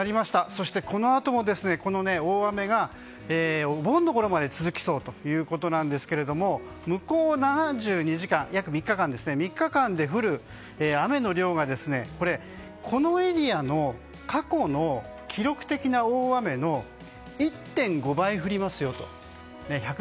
そして、このあともこの大雨がお盆のころまで続きそうということなんですけど向こう７２時間約３日間で降る雨の量がこのエリアの過去の記録的な大雨の１．５倍、降りますよと。